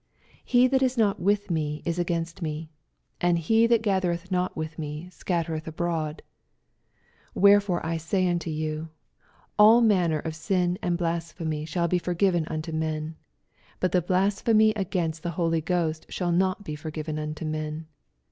80 He that is not with me is against me ; and he that gathereth not with me scattereth abroAd. 81 Wherefore I say unto you. All manner of sin and blasphemy shall be foigiven unto men : but the blas phemy offointt the Mtly Qhoet shall not be foigiven nnto men.